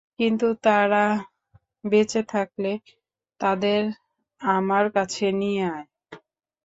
কিন্তু তারা বেঁচে থাকলে, তাদের আমার কাছে নিয়ে আয়।